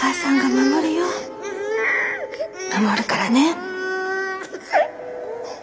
守るからね。